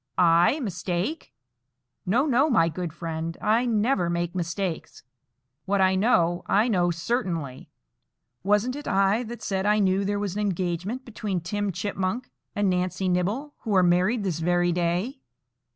"I mistake! No, no, my good friend; I never make mistakes. What I know, I know certainly. Wasn't it I that said I knew there was an engagement between Tim Chipmunk and Nancy Nibble, who are married this very day?